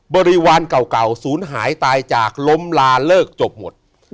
บริวารเก่าศูนย์หายตายจากล้มลาเลิกจบหมด